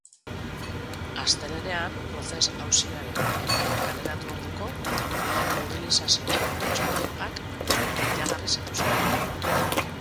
Astelehenean, proces auziaren epaia kaleratu orduko, lehen mobilizazio jendetsuak iragarri zituzten.